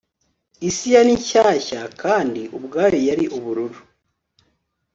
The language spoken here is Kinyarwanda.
isi yari shyashya, kandi ubwayo yari ubururu